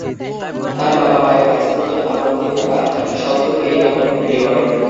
তার বাবা -মায়ের কাছ থেকে আপত্তি থাকা সত্ত্বেও এই দম্পতি বিয়ে করেন।